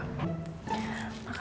guntur kan anak kita